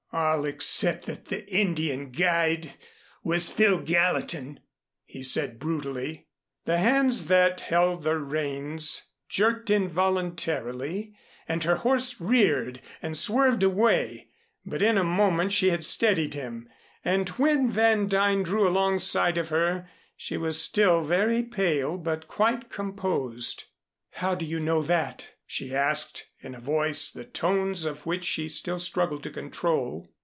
"All except that the Indian guide was Phil Gallatin," he said brutally. The hands that held the reins jerked involuntarily and her horse reared and swerved away, but in a moment she had steadied him; and when Van Duyn drew alongside of her, she was still very pale but quite composed. "How do you know that?" she asked in a voice the tones of which she still struggled to control.